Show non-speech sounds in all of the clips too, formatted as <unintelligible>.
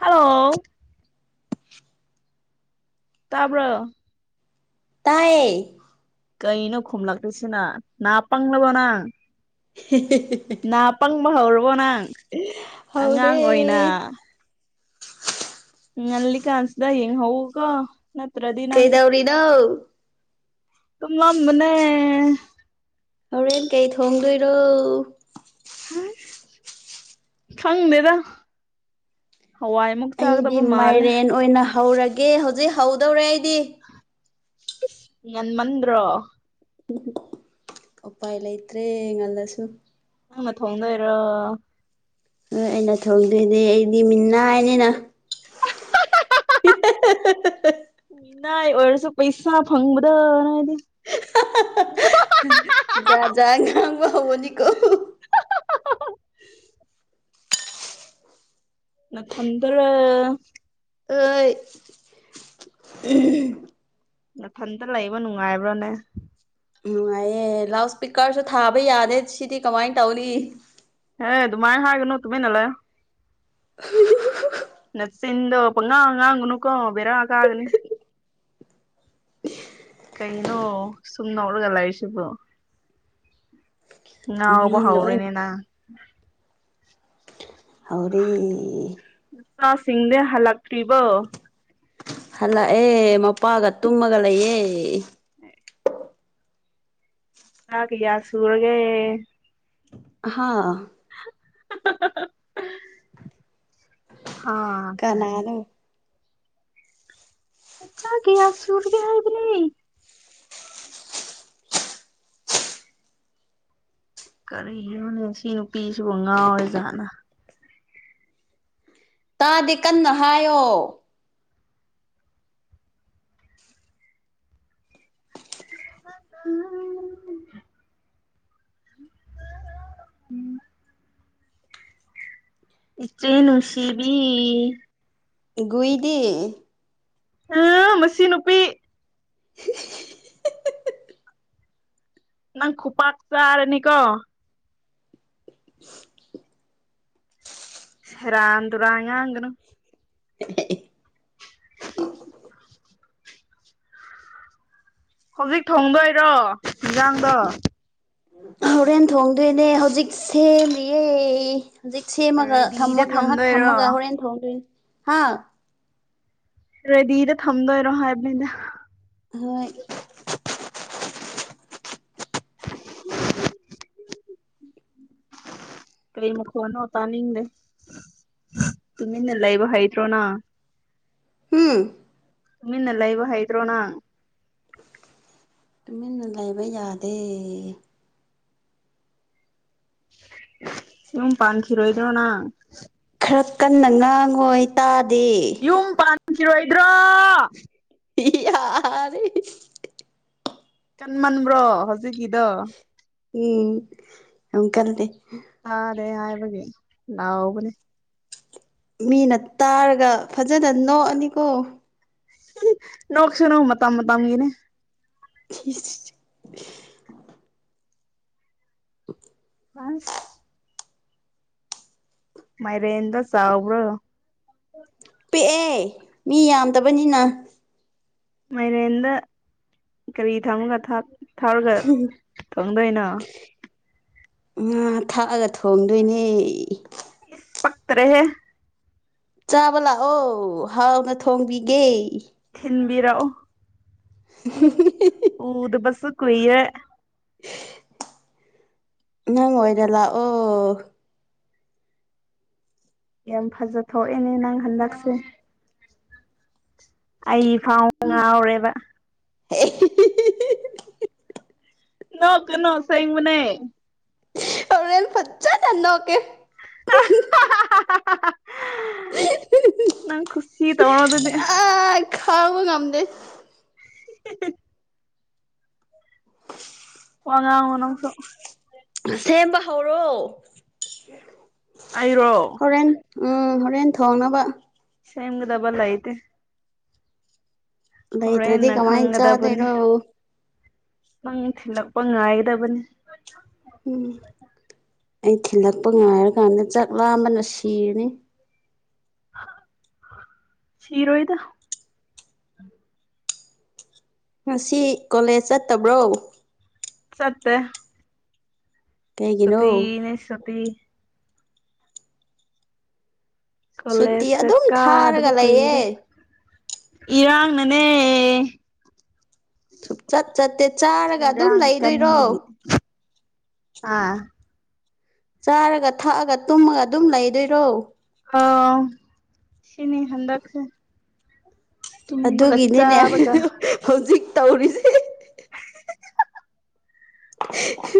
Hello ꯇꯥꯕ꯭ꯔꯣ ꯇꯥꯏꯌꯦ ꯀꯩꯅꯣ ꯈꯨꯝꯂꯛꯇ꯭ꯔꯤꯁꯤꯅ ꯅꯥ ꯄꯪꯂꯕꯣ ꯅꯪ <unintelligible> ꯅꯥ ꯄꯪꯕ ꯍꯧꯔꯕꯣ ꯅꯪ ꯍꯧꯔꯦ ꯑꯉꯥꯡ ꯑꯣꯏꯅ ꯉꯜꯂꯤ ꯀꯥꯟꯁꯤꯗ ꯌꯦꯡꯍꯧꯀꯣ ꯅꯠꯇ꯭ꯔꯗꯤ ꯅꯪ ꯀꯩꯗꯧꯔꯤꯅꯣ ꯐꯝꯕꯅꯦ ꯍꯣꯔꯦꯟ ꯀꯩ ꯊꯣꯡꯗꯣꯏꯔꯣ ꯈꯪꯗꯦꯗ ꯍꯋꯥꯏ ꯑꯩꯗꯤ ꯃꯥꯏꯔꯦꯟ ꯑꯣꯏꯅ ꯍꯧꯔꯒꯦ ꯍꯧꯖꯤꯛ ꯍꯧꯗꯧꯔꯦ ꯑꯩꯗꯤ ꯉꯟꯃꯟꯗ꯭ꯔꯣ ꯎꯄꯥꯏ ꯂꯩꯇ꯭ꯔꯦ ꯉꯜꯂꯁꯨ ꯅꯪꯅ ꯊꯣꯡꯗꯣꯏꯔꯣ ꯍꯣꯏ ꯑꯩꯅ ꯊꯣꯡꯗꯣꯏꯅꯦ ꯑꯩꯗꯤ ꯃꯤꯅꯥꯏꯅꯤꯅ <unintelligible> ꯃꯤꯅꯥꯏ ꯑꯣꯏꯔꯁꯨ ꯄꯩꯁꯥ ꯐꯪꯕꯗꯣ ꯍꯥꯏꯗꯤ ꯖꯥꯠ ꯖꯥꯠ ꯉꯥꯡꯕ ꯍꯧꯔꯅꯤꯀꯣ ꯅꯊꯟꯗꯔꯣ ꯍꯣꯏ ꯃꯊꯟꯇ ꯂꯩꯕ ꯅꯨꯡꯉꯥꯏꯕ꯭ꯔꯣꯅꯦ ꯅꯨꯡꯉꯥꯏꯌꯦ ꯑꯦ ꯂꯥꯎꯠ ꯁ꯭ꯄꯤꯀꯔꯁꯨ ꯊꯥꯕ ꯌꯥꯗꯦ ꯁꯤꯗꯤ ꯀꯃꯥꯏꯅ ꯇꯧꯅꯤ ꯍꯦ ꯑꯗꯨꯃꯥꯏ ꯍꯥꯏꯒꯅꯣ ꯇꯨꯃꯤꯟꯅ ꯂꯩꯌꯣ ꯆꯤꯟꯗꯣ ꯄꯉꯥꯡ ꯉꯥꯡꯒꯅꯨꯀꯣ ꯕꯦꯔꯀꯥꯒꯅꯤ <unintelligible> ꯀꯩꯅꯣ ꯁꯨꯝ ꯅꯣꯛꯔꯒ ꯂꯩꯔꯤꯁꯤꯕꯣ ꯉꯥꯎꯕ ꯃꯤ ꯂꯣꯏ ꯍꯧꯔꯦꯅꯦ ꯅꯪ ꯍꯧꯔꯦ ꯅꯆꯥꯁꯤꯡꯗꯤ ꯍꯜꯂꯛꯇ꯭ꯔꯤꯕꯣ ꯍꯜꯂꯛꯑꯦ ꯃꯄꯥꯒ ꯇꯨꯝꯃꯒ ꯂꯩꯌꯦ <inaudible> ꯏꯆꯥ ꯀꯌꯥ ꯁꯨꯔꯒꯦ ꯍꯥ <unintelligible> ꯍꯥ ꯀꯅꯥꯅꯣ ꯏꯆꯥ ꯀꯌꯥ ꯁꯨꯔꯒꯦ ꯍꯥꯏꯕꯅꯦ ꯀꯔꯤꯅꯣꯅꯦ ꯁꯤ ꯅꯨꯄꯤꯁꯤꯕꯨ ꯉꯥꯎꯔ ꯖꯥꯠꯂ ꯇꯥꯗꯦ ꯀꯟꯅ ꯍꯥꯏꯌꯣ <unintelligible> <unintelligible> ꯏꯆꯦ ꯅꯨꯡꯁꯤꯕꯤ ꯏꯒꯨꯏꯗꯤ꯫ <unintelligible> ꯃꯁꯤ ꯅꯨꯄꯤ꯫ ꯅꯪ ꯈꯨꯄꯥꯛ ꯆꯔꯅꯤꯀꯣ꯫ ꯁꯦꯔꯥꯟ ꯇꯨꯔꯥꯟ ꯉꯥꯡꯒꯅꯨ꯫ <unintelligible> ꯍꯧꯖꯤꯛ ꯊꯣꯡꯗꯣꯏꯔꯣ ꯍꯤꯟꯖꯥꯡꯗꯣ꯫ ꯍꯣꯔꯦꯟ ꯊꯣꯡꯗꯣꯏꯅꯦ ꯍꯧꯖꯤꯛ ꯁꯦꯝꯃꯤꯌꯦ꯫ ꯍꯨꯖꯤꯛ ꯁꯦꯝꯃꯒ ꯔꯦꯗꯤꯗ ꯊꯝꯃꯒ ꯉꯍꯛ ꯊꯝꯗꯣꯏꯔꯣ ꯊꯝꯃꯒ ꯍꯣꯔꯦꯟ ꯊꯣꯡꯗꯣꯏꯅꯤ ꯍꯥꯥ ꯔꯦꯗꯤꯗ ꯊꯝꯗꯣꯏꯔꯣ ꯍꯥꯏꯕꯅꯤꯗ꯫ ꯍꯣꯏ꯫ <unintelligible> ꯀꯔꯤ ꯃꯈꯣꯟꯅꯣ ꯇꯥꯅꯤꯡꯗꯦ꯫ ꯇꯨꯃꯤꯟꯅ ꯂꯩꯕ ꯍꯩꯇ꯭ꯔꯣ ꯅ꯫ ꯍꯨ꯫ ꯇꯨꯃꯤꯟꯅ ꯂꯩꯕ ꯍꯩꯇ꯭ꯔꯣ ꯅꯪ꯫ ꯇꯨꯃꯤꯟꯅ ꯂꯩꯥꯕ ꯌꯥꯗꯦ꯫ ꯌꯨꯝ ꯄꯥꯟꯈꯤꯔꯣꯏꯗ꯭ꯔꯣ ꯅꯪ꯫ ꯈꯔ ꯀꯟꯅ ꯉꯥꯡꯉꯣ ꯑꯩ ꯇꯥꯗꯦ꯫ ꯌꯨꯝ ꯄꯥꯟꯈꯤꯔꯣꯏꯗ꯭ꯔꯣ꯫ <unintelligible> ꯀꯟꯃꯟꯕ꯭ꯔꯣ ꯍꯧꯖꯤꯛꯀꯤꯗꯣ꯫ ꯎꯝ ꯌꯥꯝ ꯀꯟꯗꯦ꯫ ꯇꯥꯗꯦ ꯍꯥꯏꯕꯒꯤ ꯂꯥꯎꯕꯅꯦ꯫ ꯃꯤꯅ ꯇꯥꯔꯒ ꯐꯖꯅ ꯅꯣꯛꯑꯅꯤꯀꯣ꯫ ꯅꯣꯛꯁꯨꯅꯨ ꯃꯇꯝ ꯃꯇꯝꯒꯤꯅꯦ <unintelligible> ꯎ <inaudible> ꯑꯁ ꯃꯥꯏꯔꯦꯟꯗꯣ ꯆꯥꯎꯕꯔ꯭ꫭ ꯄꯤꯛꯑꯦ ꯃꯤ ꯌꯥꯝꯗꯕꯅꯤꯅ ꯃꯥꯏꯔꯦꯟꯗ ꯀꯔꯤ ꯊꯝꯃꯒ ꯊꯥꯛ ꯊꯥꯛꯔꯒ ꯊꯣꯡꯗꯣꯏꯅꯣ ꯉꯥ ꯊꯥꯛꯑꯒ ꯊꯣꯡꯗꯣꯏꯅꯦ ꯄꯛꯇꯔ꯭ꯦꯍꯦ ꯆꯥꯕ ꯂꯥꯛꯑꯣ ꯍꯥꯎꯅ ꯊꯣꯡꯕꯤꯒꯦ ꯊꯤꯟꯕꯤꯔꯛꯑꯣ <unintelligible> ꯎꯗꯕꯁꯨ ꯀꯨꯏꯔꯦ ꯅꯪ ꯑꯣꯏꯅ ꯂꯥꯛꯑꯣ ꯌꯥꯝ ꯐꯖ ꯊꯣꯛꯑꯦꯅꯦ ꯅꯪ ꯍꯟꯗꯛꯁꯦ ꯑꯩ ꯐꯥꯎ ꯉꯥꯎꯔꯦꯕ ꯅꯣꯛꯀꯅꯣ ꯑꯁꯦꯡꯕꯅꯦ ꯍꯣꯔꯦꯟ ꯐꯠꯖꯅ ꯅꯣꯛꯀꯦ ꯅꯪ ꯈꯨꯠꯁꯤ ꯇꯧꯔꯣ ꯑꯗꯨꯗꯤ ꯍꯥ ꯈꯥꯡꯕ ꯉꯝꯗꯦ <unintelligible> ꯋꯥ ꯉꯥꯡꯉꯣ ꯅꯪꯁꯨ꯫ ꯁꯦꯝꯕ ꯍꯧꯔꯣ꯫ ꯑꯩꯔꯣ꯫ ꯍꯣꯔꯦꯟ ꯎꯡ ꯍꯣꯔꯦꯟ ꯊꯣꯡꯅꯕ꯫ ꯁꯦꯝꯒꯗꯕ ꯂꯩꯇꯦ꯫ ꯂꯩꯇ꯭ꯔꯗꯤ ꯍꯣꯔꯦꯟꯅ ꯀꯃꯥꯏꯅ ꯈꯪꯒꯗꯕꯅꯦ ꯆꯥꯗꯣꯏꯔꯣ ꯅꯪ ꯊꯤꯜꯂꯛꯄ ꯉꯥꯏꯒꯗꯕꯅꯤ꯫ ꯑꯩ ꯊꯤꯜꯂꯛꯄ ꯉꯥꯏꯔꯀꯥꯟꯗ ꯆꯥꯛ ꯂꯥꯝꯕꯅ ꯁꯤꯔꯅꯤ꯫ ꯁꯤꯔꯣꯏꯗ꯫ ꯉꯁꯤ ꯀꯣꯂꯦꯖ ꯆꯠꯇꯕ꯭ꯔꯣ꯫ ꯆꯠꯇꯦ꯫ ꯀꯩꯒꯤꯅꯣ ꯁꯨꯇꯤꯅꯦ ꯁꯨꯇꯤ꯫ ꯁꯨꯇꯤ ꯀꯣꯂꯦꯖꯀ ꯑꯗꯨꯝ ꯀꯥꯗꯕ ꯊꯥꯔꯒ ꯂꯩꯌꯦ ꯀꯨꯏꯔꯦ ꯏꯔꯥꯡꯅꯅꯦ꯫ ꯁꯨꯛꯆꯠ ꯆꯠꯇꯦ ꯆꯥꯔꯒ ꯑꯗꯨꯝ ꯏꯔꯥꯡ ꯂꯩꯗꯣꯏꯔꯣ꯫ ꯀꯟꯕꯒꯤ ꯑꯥ꯫ ꯆꯥꯔꯒ ꯊꯛꯑꯒ ꯇꯨꯝꯃꯒ ꯑꯗꯨꯝ ꯂꯩꯗꯣꯏꯔꯣ꯫ ꯑꯧ ꯁꯤꯅꯤ ꯍꯟꯗꯛꯁꯦ꯫ ꯇꯨꯝꯕꯒ ꯑꯗꯨꯒꯤꯅꯤꯅꯦ ꯆꯥꯕꯒ <unintelligible> ꯍꯧꯖꯤꯛ ꯇꯧꯔꯤꯁꯦ꯫ <unintelligible>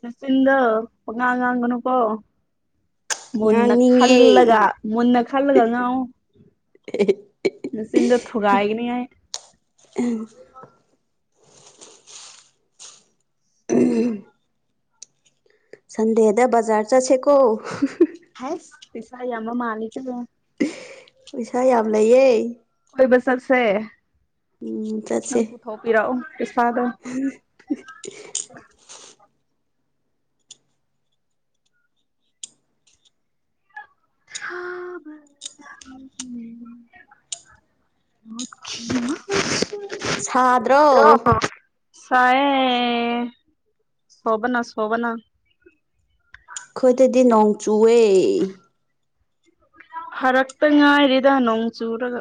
ꯅꯆꯤꯟꯗꯣ ꯄꯪꯉꯥꯡ ꯉꯥꯡꯒꯅꯨꯀꯣ꯫ ꯃꯨꯟꯅ ꯉꯥꯡꯅꯤꯡꯉꯦ ꯈꯜꯂꯒ ꯃꯨꯟꯅ ꯈꯜꯂꯒ ꯉꯥꯡꯉꯣ꯫ <unintelligible> ꯅꯆꯤꯟꯗꯣ ꯊꯨꯒꯥꯏꯒꯅꯤ ꯑꯩ꯫ <unintelligible> <unintelligible> ꯁꯟꯗꯦꯗ ꯕꯖꯥꯔ ꯆꯠꯁꯦꯀꯣ <unintelligible> ꯍꯩꯁ ꯄꯩꯁꯥ ꯌꯥꯝꯕ ꯃꯥꯂꯤꯗ ꯌꯥꯝ꯫ ꯄꯩꯁꯥ ꯌꯥꯝ ꯂꯩꯌꯦ꯫ ꯀꯣꯏꯕ ꯆꯠꯁꯦ꯫ ꯆꯠꯁꯦ꯫ ꯊꯣꯛꯄꯤꯔꯛꯑꯣ ꯄꯤꯁꯥꯗꯣ꯫ <unintelligible> <unintelligible> <unintelligible> ꯁꯥꯗ꯭ꯔꯣ꯫ ꯁꯥꯑꯦ ꯁꯣꯕꯅ-ꯁꯣꯕꯅ꯫ ꯈꯣꯏꯗꯗꯤ ꯅꯣꯡ ꯆꯨꯋꯦ꯫ ꯐꯔꯛꯇ ꯉꯥꯏꯔꯤꯗ ꯅꯣꯡ ꯆꯨꯔꯒ꯫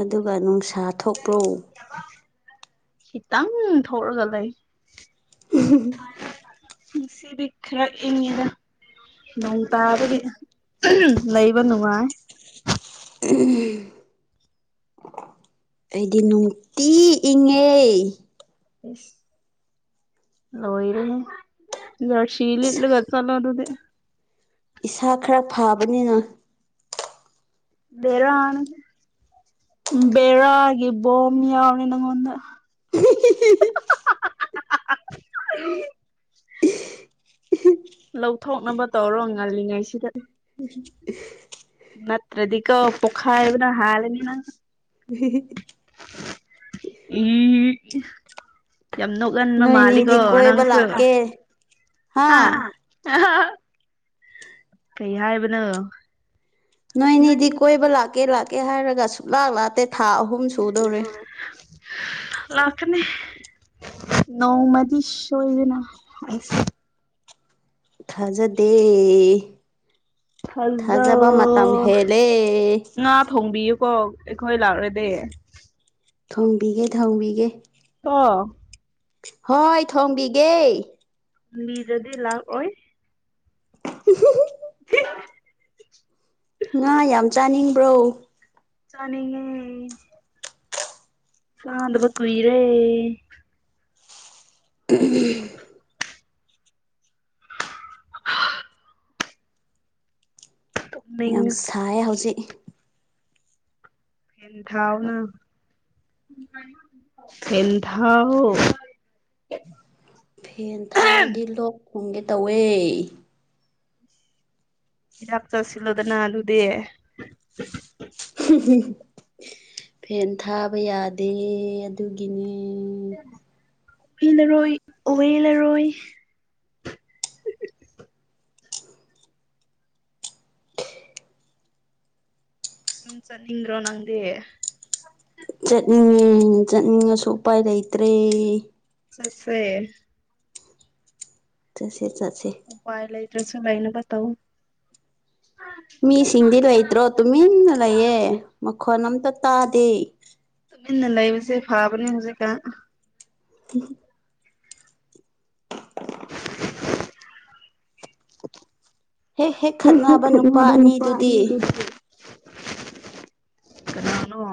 ꯑꯗꯨꯒ ꯅꯨꯡꯁꯥ ꯊꯣꯛꯄ꯭ꯔꯣ꯫ <inaudible> ꯈꯤꯇꯪ ꯊꯣꯛꯔꯒ ꯂꯩ꯫ <unintelligible> ꯉꯁꯤꯗꯤ ꯈꯔ ꯏꯪꯉꯤꯗ꯫ ꯅꯣꯡ ꯇꯥꯕꯗꯤ <unintelligible> ꯂꯩꯕ ꯅꯨꯡꯉꯥꯏ꯫ <unintelligible> ꯑꯩꯗꯤ ꯅꯨꯡꯇꯤ ꯏꯪꯉꯦ꯫ ꯑꯩꯁ꯫ ꯂꯣꯏꯔꯦꯍꯦ ꯖꯔꯁꯤ ꯂꯤꯠꯂꯒ ꯆꯠꯂꯣ ꯑꯗꯨꯗꯤ꯫ ꯏꯁꯥ ꯈꯔ ꯐꯥꯕꯅꯤꯅ꯫ ꯕꯦꯔꯥꯅꯦꯍꯦ꯫ ꯕꯦꯔꯥꯒꯤ ꯕꯣꯝꯕ ꯌꯥꯎꯔꯦ ꯅꯪꯉꯣꯟꯗ <unintelligible> <unintelligible> ꯂꯧꯊꯣꯛꯅꯕ ꯇꯧꯔꯣ ꯉꯜꯂꯤꯉꯩꯁꯤꯗ꯫ ꯅꯠꯇ꯭ꯔꯗꯤꯀꯣ ꯄꯣꯈꯥꯏꯕꯅ ꯍꯥꯜꯂꯅꯤ ꯅꯪ꯫ <unintelligible> <unintelligible> ꯌꯥꯝ ꯅꯣꯛ ꯅꯣꯏꯅꯤꯗꯤ ꯀꯣꯏꯕ ꯂꯥꯛꯑꯦ ꯍꯥ ꯍꯥꯥ꯫ <unintelligible> ꯀꯩ ꯍꯥꯏꯕꯅꯣ꯫ ꯅꯣꯏꯅꯤꯗꯤ ꯀꯣꯏꯕ ꯂꯥꯛꯀꯦ-ꯂꯥꯛꯀꯦ ꯍꯥꯏꯔꯒ ꯁꯨꯛꯂꯥꯛ ꯂꯥꯛꯇꯦ ꯊꯥ ꯑꯍꯨꯝ ꯁꯨꯗꯧꯔꯦ <inaudible> ꯂꯥꯛꯀꯅꯤ ꯅꯧꯃꯗꯤ ꯁꯣꯏꯗꯅ ꯑꯩꯁ꯫ ꯊꯥꯖꯗꯦ꯫ ꯊꯥꯖꯕ ꯃꯇꯝ ꯊꯖꯑꫭ ꯍꯦꯜꯂꯦ ꯉꯥ ꯊꯣꯡꯕꯤꯌꯨꯀꯣ ꯑꯩꯈꯣꯏ ꯂꯥꯛꯔꯗꯤ꯫ ꯊꯣꯡꯕꯤꯒꯦ-ꯊꯣꯡꯕꯤꯒꯦ꯫ ꯀꯣ꯫ ꯍꯣꯏ ꯊꯣꯡꯕꯤꯒꯦ꯫ ꯕꯤꯗ꯭ꯔꯗꯤ ꯂꯥꯛ ꯑꯣꯏ꯫ <unintelligible> <unintelligible> ꯉꯥ ꯌꯥꯝ ꯆ ꯆꯥꯅꯤꯡꯕ꯭ꯔꯣ꯫ ꯆꯥꯅꯤꯡꯉꯦ꯫ ꯆꯥꯗꯕ ꯀꯨꯏꯔꯦ꯫ <unintelligible> ꯌꯥꯝ ꯇꯨꯝꯅꯤꯡꯉꯦ ꯁꯥꯌꯦ ꯍꯧꯖꯤꯛ꯫ ꯐꯦꯟ ꯊꯥꯎꯅ ꯐꯦꯟ ꯊꯥꯎꯑꯣ꯫ ꯐꯦꯟ ꯊꯥꯔꯗꯤ ꯂꯣꯛ ꯊꯨꯡꯒꯦ ꯇꯧꯋꯦ꯫ ꯍꯤꯗꯥꯛ ꯆꯥꯁꯤꯜꯂꯣꯗꯅ ꯑꯗꯨꯗꯤ꯫ <unintelligible> ꯐꯦꯟ ꯊꯥꯕ ꯌꯥꯗꯦ ꯑꯗꯨꯒꯤꯅꯦ꯫ ꯏ ꯅꯔꫭꯏ ꯑꯣꯏ ꯂꯔꯣꯏ꯫ ꯌꯨꯝ ꯆꯠꯅꯤꯗ꯭ꯔꯣ ꯅꯪꯗꯤ꯫ ꯆꯠꯅꯤꯡꯉꯤ ꯆꯠꯅꯤꯡꯉꯁꯨ ꯎꯄꯥꯏ ꯂꯩꯇ꯭ꯔꯦ꯫ ꯆꯠꯁꯦ꯫ ꯆꯠꯁꯦ-ꯆꯠꯁꯦ꯫ ꯎꯄꯥꯥꯏ ꯂꯩꯇ꯭ꯔꯦꯁꯨ ꯂꯩꯅꯕ ꯇꯧ꯫ ꯃꯤꯁꯤꯡꯗꯤ ꯂꯩꯇ꯭ꯔꯣ ꯇꯨꯃꯤꯟꯅ ꯂꯩꯌꯦ ꯃꯈꯣꯟ ꯑꯝꯇ ꯇꯥꯗꯦ꯫ ꯇꯨꯃꯤꯟꯅ ꯂꯩꯕꯁꯦ ꯐꯕꯅꯦ ꯍꯧꯖꯤꯛꯀꯥꯟ꯫ <unintelligible> <unintelligible> <inaudible> ꯍꯦꯛ ꯍꯦꯛ <unintelligible> ꯈꯠꯅꯕ ꯅꯨꯄꯥ ꯑꯅꯤꯗꯨꯗꯤ ꯀꯅꯥꯅꯣ꯫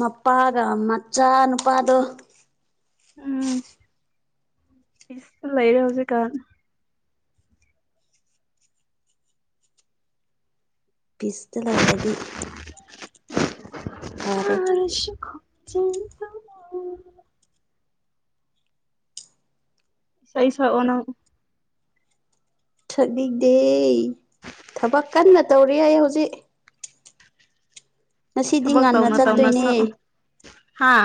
ꯃꯄꯥꯒ ꯃꯆꯥ ꯅꯨꯄꯥꯗꯣ ꯎꯝ ꯄꯤꯁꯇꯥ ꯂꯩꯔꯦ ꯍꯧꯖꯤꯛꯀꯥꯟ ꯄꯤꯁꯇ ꯂꯩꯔꯗꯤ ꯐꯔꯦ ꯃꯔꯁꯨꯁ ꯈꯣꯟꯖꯦꯟ ꯏꯁꯩ ꯁꯥꯑꯣ ꯅꯡ ꯁꯛꯅꯤꯡꯗꯦ ꯊꯕꯛ ꯀꯟꯅ ꯇꯧꯔꯤ ꯑꯩ ꯍꯧꯖꯤꯛ ꯉꯁꯤꯗꯤ ꯊꯕ ꯉꯟꯅ ꯇꯧꯅ ꯇꯧꯅ ꯆꯠꯇꯣꯏꯅꯦ ꯁꯥꯎ ꯍꯥꯥ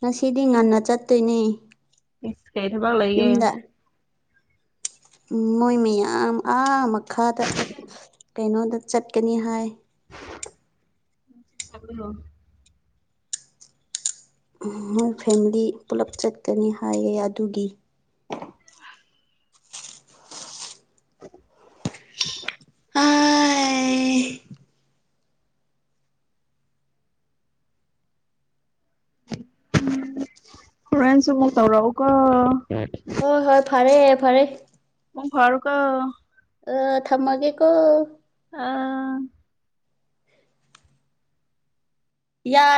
ꯉꯁꯤꯗꯤ ꯉꯟꯅ ꯆꯠꯇꯣꯏꯅꯦ ꯏ ꯀꯩ ꯊꯕ ꯂꯒꯦ ꯌꯨꯝꯗ ꯃꯣꯏ ꯃꯌꯥꯝ ꯑꯥ ꯃꯈꯥꯗ ꯀꯩꯅꯣꯗ ꯆꯠꯀꯅꯤ ꯍꯥꯏ <unintelligible> ꯃꯣꯏ ꯐꯦꯃꯤꯂꯤ ꯄꯨꯂꯞ ꯆꯠꯀꯅꯤ ꯍꯥꯏꯌꯦ ꯑꯗꯨꯒꯤ <unintelligible> ꯐꯣꯔꯦꯟꯁꯨ ꯃ ꯇꯧꯔꯎ ꯀꯑꯣ ꯍꯣꯏ ꯍꯣꯏ ꯐꯔꯦ ꯐꯔꯦ ꯃꯨꯡ ꯐꯔ ꯀꯑꯣ ꯑ ꯊꯝꯃꯒꯦꯀꯣ ꯑꯥ ꯌꯥ